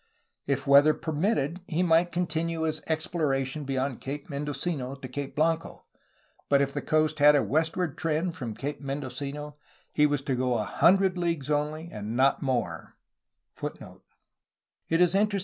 If weather permitted he might continue his explorations beyond Cape Mendocino to Cape Blanco,^ but if the coast had a westward trend from Cape Mendocino he was to go a hundred leagues only and not more.